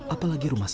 apalagi rumah sakit